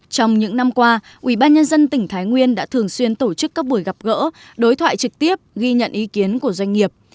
trong những năm qua ubnd tỉnh thái nguyên đã thường xuyên tổ chức các buổi gặp gỡ đối thoại trực tiếp ghi nhận ý kiến của doanh nghiệp